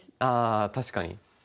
ああ確かに。